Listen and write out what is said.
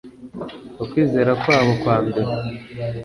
ukwizera kwabo kwa mbere